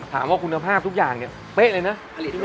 ถามว่าคุณภาพทุกอย่างเนี่ยเป๊ะเลยนะ